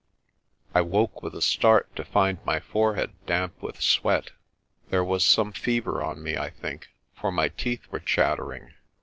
I woke with a start to find my forehead damp with sweat. There was some fever on me, I think, for my teeth were chattering.